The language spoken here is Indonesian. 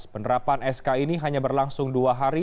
penerapan sk ini hanya berlangsung dua hari